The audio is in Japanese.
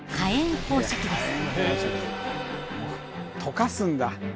溶かすんだ。